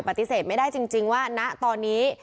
ปฏิเสธไม่ได้จริงว่าณตอนนี้